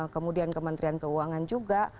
kemudian kementerian keuangan juga